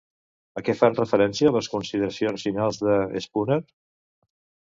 A què fan referència les consideracions finals de Szpunar?